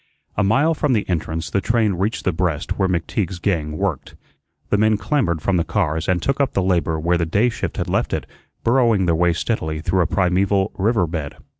A mile from the entrance the train reached the breast where McTeague's gang worked. The men clambered from the cars and took up the labor where the day shift had left it, burrowing their way steadily through a primeval river bed.